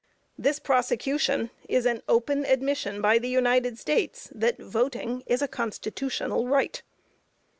This prosecution is an open admission by the United States, that voting is a Constitutional right.